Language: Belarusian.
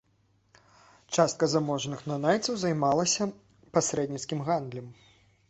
Частка заможных нанайцаў займалася пасрэдніцкім гандлем.